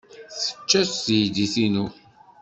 Tečča-tt teydit-inu.